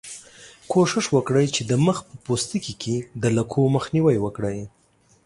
کوښښ وکړئ چې د مخ په پوستکي کې د لکو مخنیوی وکړئ.